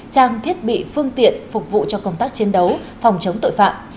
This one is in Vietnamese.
trang thiết bị phương tiện phục vụ cho công tác chiến đấu phòng chống tội phạm